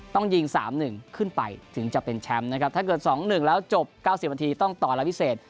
ต้องยิงสามหนึ่งขึ้นไปถึงจะเป็นแชมป์นะครับถ้าเกิดสองหนึ่งแล้วจบเก้าสิบนาทีต้องต่อแล้วพิเศษ